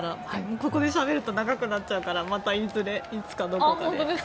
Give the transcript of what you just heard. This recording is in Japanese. ここでしゃべると長くなっちゃうからまたいずれ、いつかどこかで。